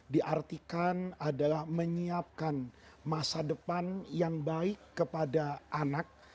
diartikan adalah menyiapkan masa depan yang baik kepada anak